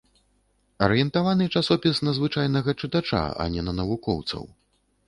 Арыентаваны часопіс на звычайнага чытача, а не на навукоўцаў.